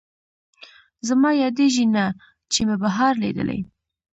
زما یادېږي نه، چې ما بهار لیدلی